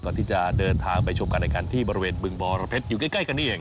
ก่อนที่จะเดินทางไปชมการแข่งขันที่บริเวณบึงบรเพชรอยู่ใกล้กันนี่เอง